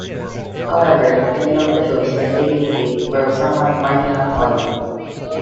However, many of the shows that did make it were of somewhat marginal quality.